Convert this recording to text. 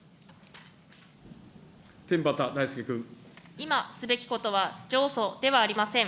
今、すべきことは上訴ではありません。